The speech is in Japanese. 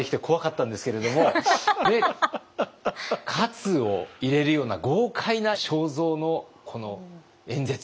活を入れるような豪快な正造のこの演説。